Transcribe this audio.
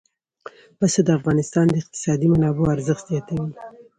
پسه د افغانستان د اقتصادي منابعو ارزښت زیاتوي.